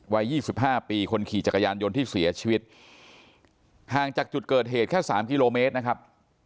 วัย๒๕ปีคนขี่จักรยานยนต์ที่เสียชีวิตห่างจากจุดเกิดเหตุแค่สามกิโลเมตรนะครับ